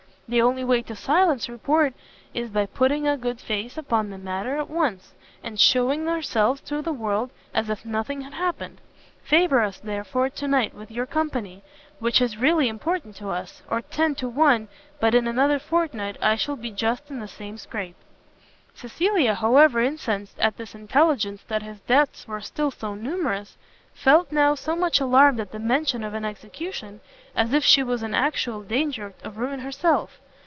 The only way to silence report is by putting a good face upon the matter at once, and shewing ourselves to the world as if nothing had happened. Favour us, therefore, to night with your company, which is really important to us, or ten to one, but in another fortnight, I shall be just in the same scrape." Cecilia, however incensed at this intelligence that his debts were still so numerous, felt now so much alarmed at the mention of an execution, as if she was in actual danger of ruin herself.